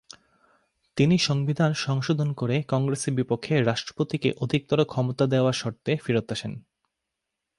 তিনি সংবিধান সংশোধন করে কংগ্রেসের বিপক্ষে রাষ্ট্রপতিকে অধিকতর ক্ষমতা দেয়ার শর্তে ফেরত আসেন।